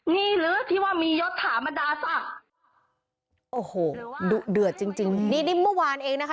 นี่หรือที่ว่ามียศถามดาศักดิ์โอ้โหดุเดือดจริงจริงนี่นี่เมื่อวานเองนะคะ